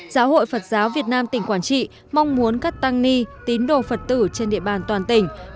giáo hội phật giáo việt nam tỉnh quảng trị mong muốn các tăng ni tín đồ phật tử trên địa bàn toàn tỉnh